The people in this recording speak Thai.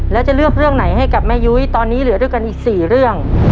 แล้วจะเลือกเรื่องไหนให้กับแม่ยุ้ยตอนนี้เหลือด้วยกันอีก๔เรื่อง